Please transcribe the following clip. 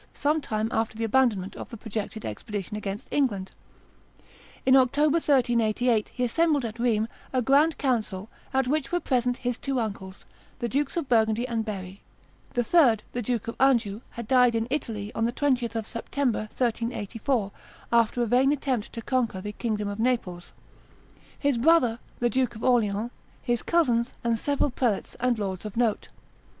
some time after the abandonment of the projected expedition against England. In October, 1388, he assembled at Rheims a grand council, at which were present his two uncles, the Dukes of Burgundy and Berry [the third, the Duke of Anjou, had died in Italy, on the 20th of September, 1384, after a vain attempt to conquer the kingdom of Naples], his brother, the Duke of Orleans, his cousins, and several prelates and lords of note.